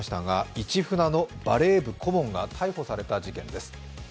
市船のバレー部顧問が逮捕された事件です。